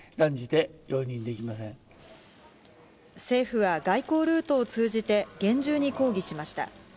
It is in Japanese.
政府は外交ルートを通じて厳重に抗議しました。